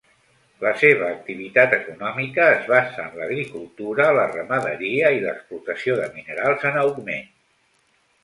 La seva activitat econòmica es basa en l'agricultura, la ramaderia i l'explotació de minerals en augment.